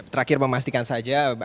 terakhir memastikan saja